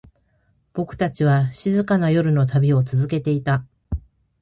僕たちは、静かな夜の旅を続けていた。